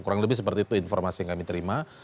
kurang lebih seperti itu informasi yang kami terima